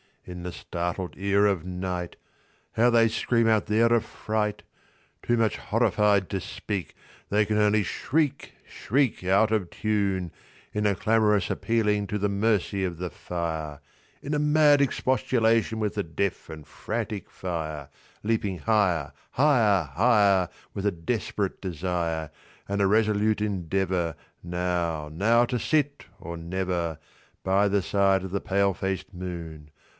In the startled ear of night How they scream out their affright! Too much horrified to speak, They can only shriek, shriek, Out of tune, In a clamorous appealing to the mercy of the fire, In a mad expostulation with the deaf and frantic fire, Leaping higher, higher, higher, With a desperate desire, And a resolute endeavor Now—now to sit, or never, By the side of the pale faced moon.